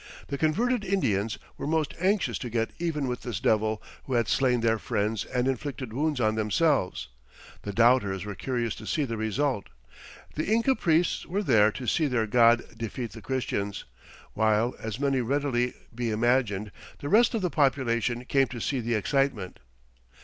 The converted Indians were most anxious to get even with this Devil who had slain their friends and inflicted wounds on themselves; the doubters were curious to see the result; the Inca priests were there to see their god defeat the Christians'; while, as may readily be imagined, the rest of the population came to see the excitement.